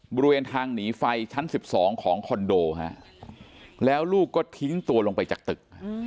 บริเวณทางหนีไฟชั้น๑๒ของคอนโดแล้วลูกก็ทิ้งตัวลงไปจากตึก